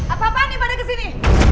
apa apaan nih pada kesini